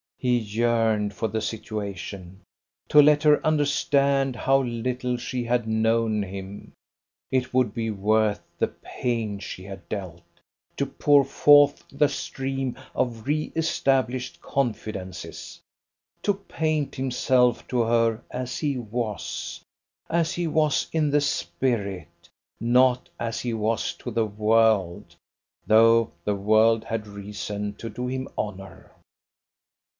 He yearned for the situation. To let her understand how little she had known him! It would be worth the pain she had dealt, to pour forth the stream of re established confidences, to paint himself to her as he was; as he was in the spirit, not as he was to the world: though the world had reason to do him honour.